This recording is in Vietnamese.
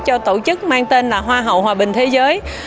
cho tổ chức mang tên là hoa hậu hòa bình thế giới